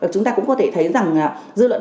chúng ta cũng có thể thấy rằng dư luận